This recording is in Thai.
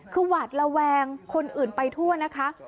คือหวาดระแวงคนอื่นไปทั่วนะคะ